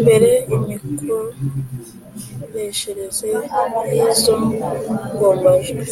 mbere imikoreshereze y’izo ngombajwi